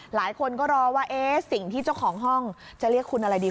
หลายคนก็รอว่าเอ๊ะสิ่งที่เจ้าของห้องจะเรียกคุณอะไรดี